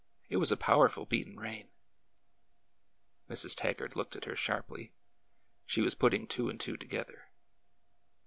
It was a powerful beatin' rain." Mrs. Taggart looked at her sharply. She was putting two and two together.